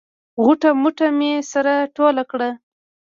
غوټه موټه مې سره ټوله کړه.